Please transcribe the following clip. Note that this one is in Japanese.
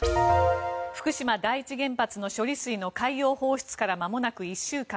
福島第一原発の処理水の海洋放出からまもなく１週間。